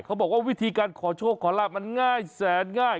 เขาบอกว่าวิธีการขอโชคขอลาบมันง่ายแสนง่าย